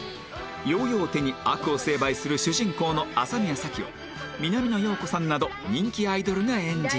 ヨーヨーを手に悪を成敗する主人公の麻宮サキを南野陽子さんなど人気アイドルが演じた